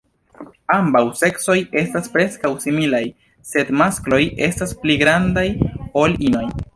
Ambaŭ seksoj estas preskaŭ similaj, sed maskloj estas pli grandaj ol inoj.